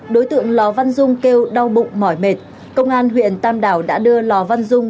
đối tượng lò văn dung kêu đau bụng mỏi mệt công an huyện tam đảo đã đưa lò văn dung